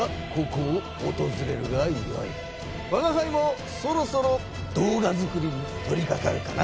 わがはいもそろそろ動画作りに取りかかるかな。